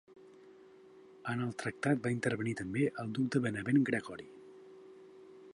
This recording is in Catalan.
En el tractat va intervenir també el duc de Benevent Gregori.